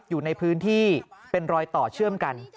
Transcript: อยู่ในพื้นที่เป็นรอยต่อเชื่อมกัน